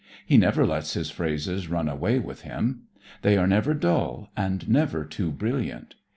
He never lets his phrases run away with him. They are never dull and never too brilliant.